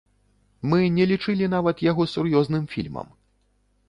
Мы не лічылі нават яго сур'ёзным фільмам.